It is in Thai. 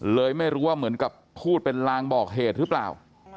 เลยไม่รู้ว่าเหมือนกับพูดเป็นลางบอกเหตุหรือเปล่า